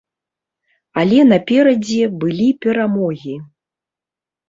Але наперадзе былі перамогі.